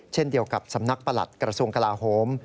เช่นเดียวกับสำนักประหลัดกระทรวงกลาโฮม